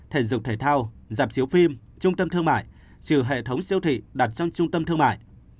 thể dục thể thao giảm chiếu phim trung tâm thương mại trừ hệ thống siêu thị đặt trong trung tâm thương mại